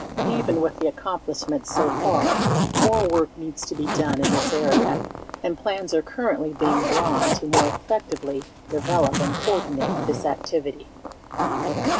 Even with the accomplishments so far, more work needs to be done in this area and plans are currently being drawn to more effectively develop and coordinate this activity.